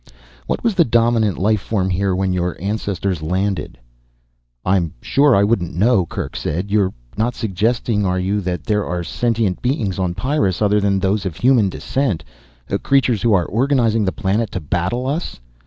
What was the dominant life form here when your ancestors landed?" "I'm sure I wouldn't know," Kerk said. "You're not suggesting, are you, that there are sentient beings on Pyrrus other than those of human descent? Creatures who are organizing the planet to battle us?"